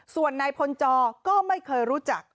ส่วนนายพลจอก็ไม่เคยรู้จัก